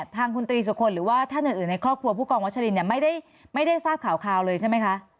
ทางคุณตรีสุคลหรือว่าท่านอื่นในครอบครัวผู้กองวัชลินไม่ได้ทราบข่าวเลยใช่ไหมคะ